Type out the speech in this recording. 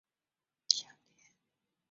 两条重链在铰链区通过二硫键相连。